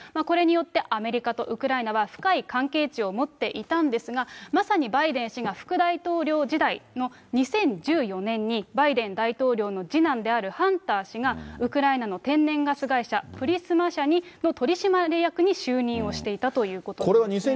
これによってアメリカとウクライナは深い関係値を持っていたんですが、まさにバイデン氏が副大統領時代の２０１４年に、バイデン大統領の次男であるハンター氏が、ウクライナの天然ガス会社、プリスマ社の取締役に就任をしていたということなんですね。